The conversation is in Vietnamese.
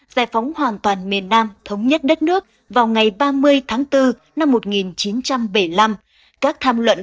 giải phóng hoàn toàn miền nam thống nhất đất nước vào ngày ba mươi tháng bốn năm một nghìn chín trăm bảy mươi năm